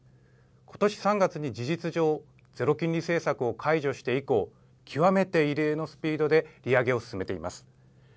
今年３月に事実上ゼロ金利政策を解除して以降極めて異例のスピードで利上げを進めています。